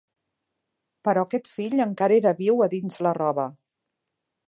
Però aquest fill encara era viu a dins la roba.